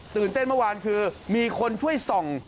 เต้นเมื่อวานคือมีคนช่วยส่อง